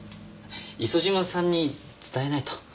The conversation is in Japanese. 磯島さんに伝えないと。